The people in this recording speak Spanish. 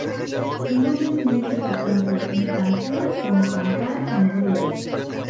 Su nombre significa tanto "mi canción" como "cantar" en hebreo.